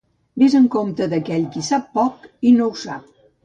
Vés amb compte d'aquell qui sap poc i no ho sap.